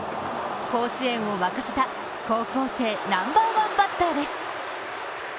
甲子園を沸かせた高校生ナンバーワンバッターです。